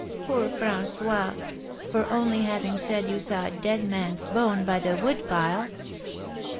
"Poor François! for only having said you saw a dead man's bone by the wood pile."